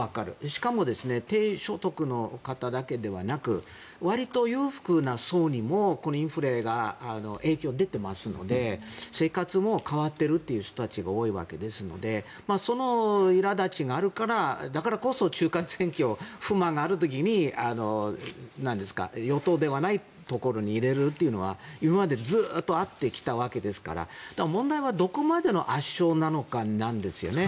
しかも、低所得の方だけではなくわりと裕福な層にもこのインフレが影響出ていますので生活も変わっているという人たちが多いわけですのでそのいら立ちがあるからだからこそ中間選挙不満がある時に与党ではないところに入れるというのは今までずっとあったわけですから問題はどこまでの圧勝になるのかなんですよね。